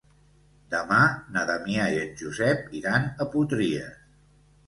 Demà na Damià i en Josep iran a Potries.